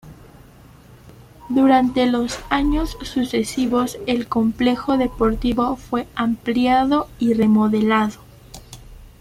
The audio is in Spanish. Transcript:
Durante los años sucesivos el complejo deportivo fue ampliado y remodelado.